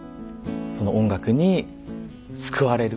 その音楽に救われる。